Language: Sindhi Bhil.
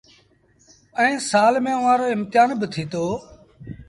ائيٚݩ سآل ميݩ اُئآݩ رو امتهآن با ٿيٚتو۔